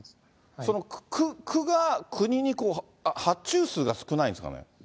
その区が、国に発注数が少ないんですかね。